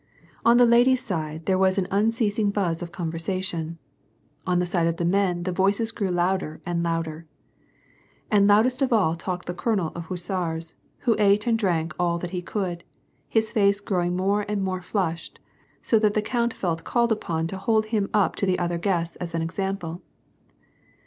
On the ladies' side there was an unceasing buzz' of conversa tion. On the side of the men the voices grew louder and louder ; and loudest of all talked the colonel of hussars, who ate and drank all that he could, his face growing more and more flushed, so that the count felt called upon to hold him up to the other guests as an example.